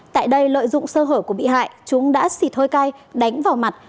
tại đây lợi dụng sơ hở của bị hại chúng đã xịt hơi cay đánh vào mặt